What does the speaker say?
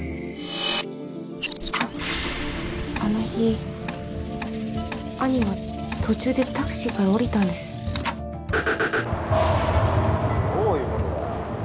あの日兄は途中でタクシーから降りたんですどういうことだよ